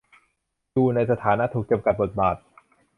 อยู่ในสถานะถูกจำกัดบทบาท